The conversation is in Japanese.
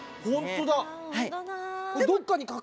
ほんとだ。